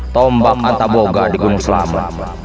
tombak antaboga di gunung selamat